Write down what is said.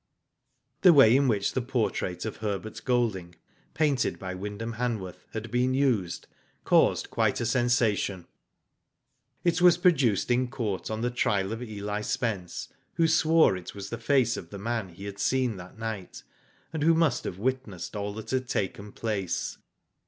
The way in which the portrait of Herbert Golding, painted by Wyndham Hanworth, had been used, caused quite a sensation. It was produced in court on the trial of Eli Spence, who swore it was the face of the man he had seen that night, and who must have witnessed all that had taken place.